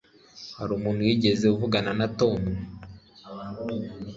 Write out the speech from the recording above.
Hari umuntu wigeze avugana na Tom?